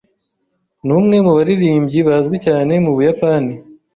Ni umwe mu baririmbyi bazwi cyane mu Buyapani.